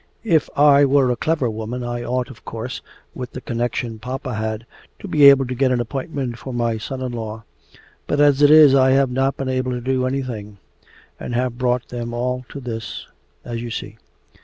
If I were a clever woman I ought, of course, with the connexions Papa had, to be able to get an appointment for my son in law. But as it is I have not been able to do anything, and have brought them all to this as you see.